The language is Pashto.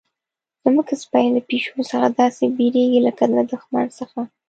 زموږ سپی له پیشو څخه داسې بیریږي لکه له دښمن څخه.